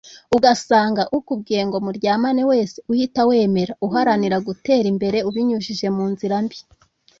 ugasanga ukubwiye ngo muryamane wese uhita wemera uharanira gutera imbere ubinyushije mu nzira mbi